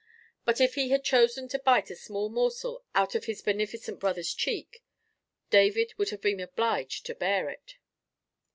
But if he had chosen to bite a small morsel out of his beneficent brother's cheek, David would have been obliged to bear it.